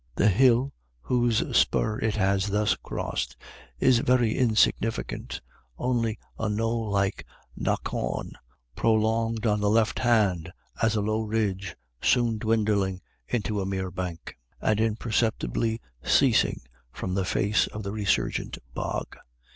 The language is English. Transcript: The hill, whose spur it has thus crossed, is very insig nificant, only a knoll like knockawn, prolonged on the left hand as a low ridge, soon dwindling into a mere bank, and imperceptibly ceasing from the face of the resurgent bog.